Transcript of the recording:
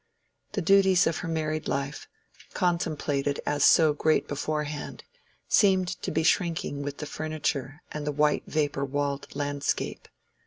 The duties of her married life, contemplated as so great beforehand, seemed to be shrinking with the furniture and the white vapor walled landscape.